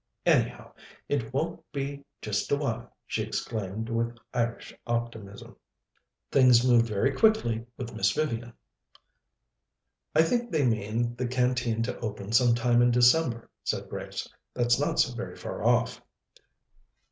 "Anyhow, it won't be just yet awhile," she exclaimed with Irish optimism. "Things move very quickly with Miss Vivian." "I think they mean the Canteen to open some time in December," said Grace. "That's not so very far off."